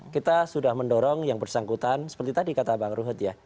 kita sudah mendorong yang bersangkutan seperti tadi kata bang ruhut ya